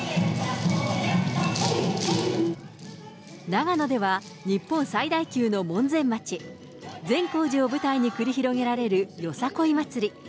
長野では、日本最大級の門前町、善光寺を舞台に繰り広げられるよさこい祭り。